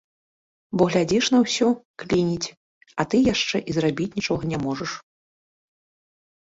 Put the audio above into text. Бо глядзіш на ўсё, клініць, а ты яшчэ і зрабіць нічога не можаш.